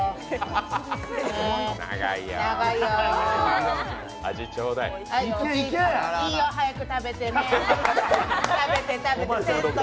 長いよ。いいよ、早く食べてね。